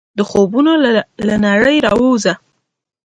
د خوبونو له نړۍ راووځه !